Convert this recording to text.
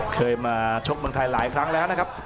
เคยมาชกเมืองไทยหลายครั้งแล้วนะครับ